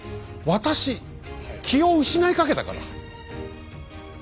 私気を失いかけたから。